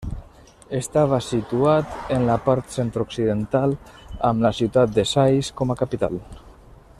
Estava situat en la part centre-occidental, amb la ciutat de Sais com a capital.